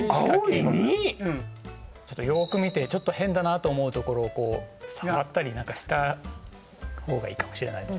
よく見てちょっと変だなと思うところを触ったりなんかした方がいいかもしれないですね